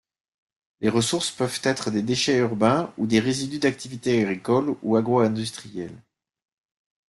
Les ressources peuvent être des déchets urbains ou des résidus d'activités agricoles ou agro-industrielles.